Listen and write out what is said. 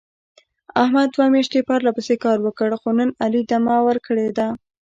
احمد دوه میاشتې پرله پسې کار وکړ. خو نن علي دمه ور کړې ده.